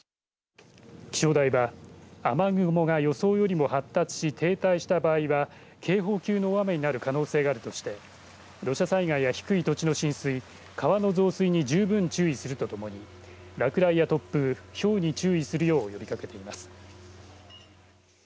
気象台は雨雲が予想よりも発達し停滞した場合は警報級の大雨になる可能性があるとして土砂災害や低い土地の浸水川の増水に十分注意するとともに落雷や突風ひょうに注意するよう呼びかけています。